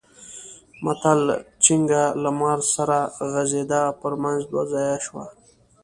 متل؛ چينګه له مار سره غځېده؛ پر منځ دوه ځايه شوه.